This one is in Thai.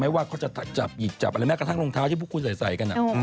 ว่าเขาจะจับหิกจับอะไรแม้กระทั่งรองเท้าที่พวกคุณใส่กัน